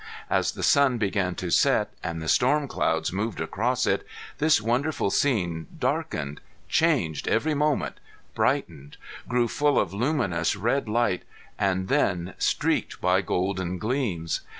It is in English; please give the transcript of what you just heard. As the sun began to set and the storm clouds moved across it this wondrous scene darkened, changed every moment, brightened, grew full of luminous red light and then streaked by golden gleams.